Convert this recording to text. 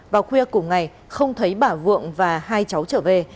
vào khuya cùng ngày không thấy bà vượng và hai cháu trở về